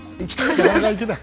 なかなか行けない。